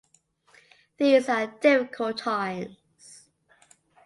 These are difficult times.